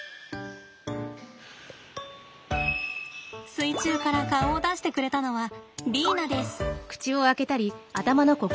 水中から顔を出してくれたのはリーナです。